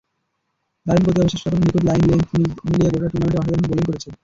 দারুণ গতি, অবিশ্বাস্য রকমের নিখুঁত লাইন-লেংথ মিলিয়ে গোটা টুর্নামেন্টে অসাধারণ বোলিং করেছে।